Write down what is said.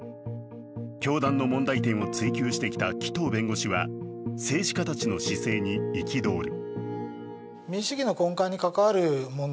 教団の問題点を追及してきた紀藤弁護士は政治家たちの姿勢に憤る。